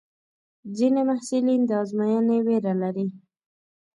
ځینې محصلین د ازموینې وېره لري.